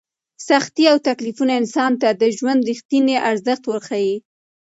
سختۍ او تکلیفونه انسان ته د ژوند رښتینی ارزښت وښيي.